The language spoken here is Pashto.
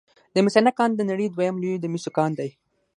د مس عینک کان د نړۍ دویم لوی د مسو کان دی